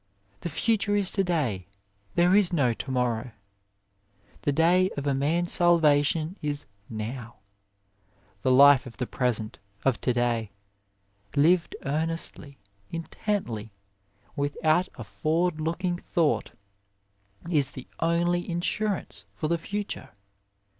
The future is to day, there is no to morrow ! The day of a man s salvation is now the life of the present, of to day, lived earnestly, intently, without a forward looking 30 OF LIFE thought, is the only insurance for the future.